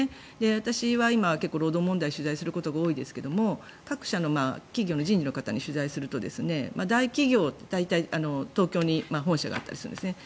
私は今、結構労働問題を取材すること多いですが各社の企業の人事の方に取材をすると大企業、大体、東京に本社があったりするんですよね。